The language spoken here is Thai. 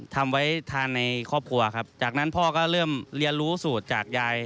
ทำไว้ทานในครอบครัวครับจากนั้นพ่อก็เริ่มเรียนรู้สูตรจากยาย